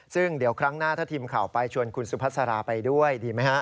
ซึ่งเดี๋ยวครั้งหน้าถ้าทีมข่าวไปชวนคุณสุพัสราไปด้วยดีไหมฮะ